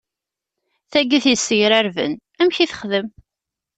Tagi i t-yessegrarben, amek i texdem?